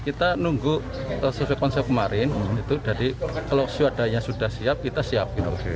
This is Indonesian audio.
kita nunggu konsep konsep kemarin jadi kalau siadanya sudah siap kita siap